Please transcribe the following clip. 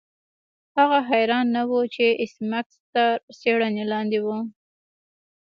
هغه حیران نه و چې ایس میکس تر څیړنې لاندې و